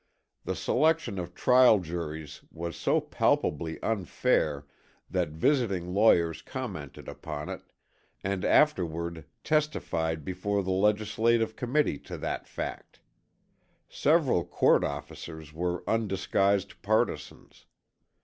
The selection of trial juries was so palpably unfair that visiting lawyers commented upon it and afterward testified before the legislative committee to that fact. Several court officers were undisguised partisans.